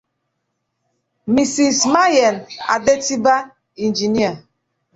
Mrs. Mayen Adetiba, Engr.